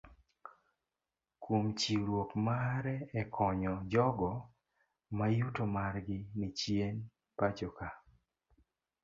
Kuom chiwruok mare ekonyo jogoo mayuto margi ni chien pachoka